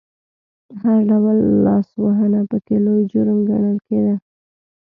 هر ډول لاسوهنه پکې لوی جرم ګڼل کېده.